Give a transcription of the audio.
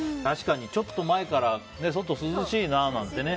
ちょっと前から外、涼しいな、なんてね。